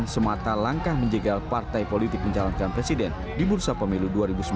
semata langkah menjegal partai politik menjalankan presiden di bursa pemilu dua ribu sembilan belas